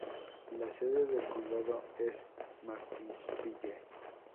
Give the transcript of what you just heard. La sede del condado es Martinsville.